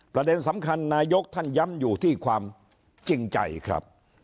ประเด็นสำคัญนายกท่านย้ำอยู่ที่ความจริงใจครับ